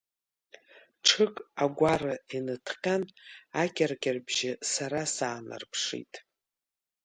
Ҽык агәара иныҭҟьан, акьыркьырбжьы сара саанарԥшит.